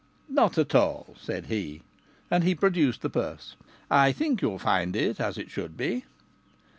"Not at all," said he; and he produced the purse. "I think you'll find it as it should be."